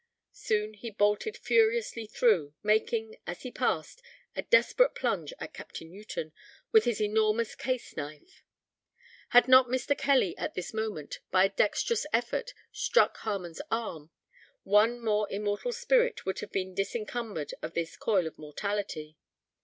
Soon he bolted furiously through, making, as he passed, a desperate plunge at Capt. Newton, with his enormous case knife. Had not Mr. Kelly, at this moment, by a dexterous effort, struck Harmon's arm, one more immortal spirit would have been disencumbered of this "coil of mortality."